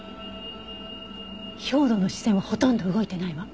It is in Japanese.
兵働の視線はほとんど動いてないわ。